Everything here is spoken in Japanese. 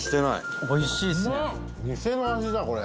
塙：店の味だ、これ。